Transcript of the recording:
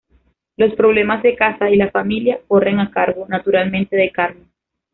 Los problemas de casa y la familia corren a cargo, naturalmente, de Carmen.